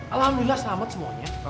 alhamdulillah selamat semuanya